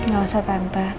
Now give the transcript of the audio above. gak usah tante